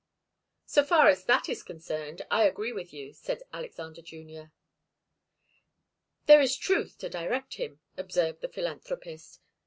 "So far as that is concerned, I agree with you," said Alexander Junior. "There is truth to direct him," observed the philanthropist.